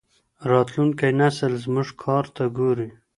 راتلونکی نسل زموږ کار ته ګوري.